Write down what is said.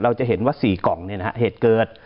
เราจะเห็นว่าสี่กล่องเนี่ยนะฮะเหตุเกิด